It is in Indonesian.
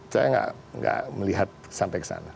saya tidak melihat sampai ke sana